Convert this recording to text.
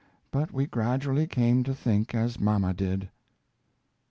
But we gradually came to think as mama did.